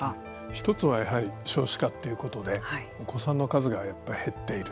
１つは、やはり少子化っていうことでお子さんの数が減っている。